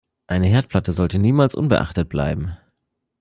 Eine Herdplatte sollte niemals unbeachtet bleiben.